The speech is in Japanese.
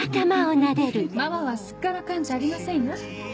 ママはすっからかんじゃありませんよ。